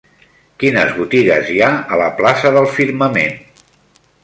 Quines botigues hi ha a la plaça del Firmament?